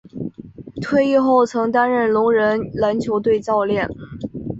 退役后曾担任聋人篮球队教练。